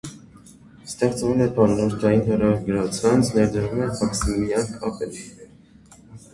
Ստեղծվել է բաժանորդային հեռագրացանց, ներդրվում է ֆաքսիմիլային կապ են։